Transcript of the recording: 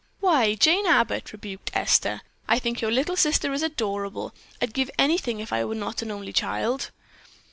"Why Jane Abbott," rebuked Esther. "I think your little sister is adorable. I'd give anything if I were not an only child."